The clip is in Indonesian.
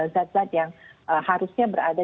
zat zat yang harusnya berada